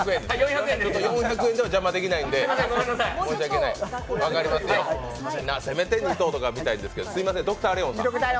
４００円では邪魔できないんで申し訳ない、せめて２等とか見たいんですけどすいません、Ｄｒ．レオンが？